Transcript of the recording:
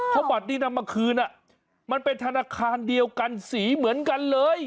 เพราะบัตรที่นำมาคืนมันเป็นธนาคารเดียวกันสีเหมือนกันเลย